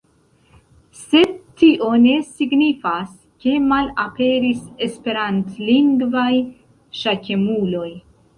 Sed tio ne signifas ke malaperis esperantlingvaj ŝakemuloj.